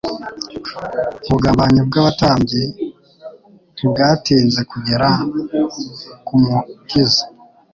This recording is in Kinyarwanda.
Ubugambanyi bw'abatambyi ntibwatinze kugera ku Mukiza.